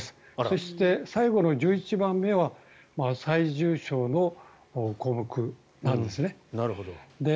そして、最後の１１番目は最重症の項目なんですね。